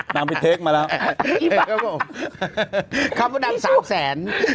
นั่นแหละก็ตามนั่นแหละ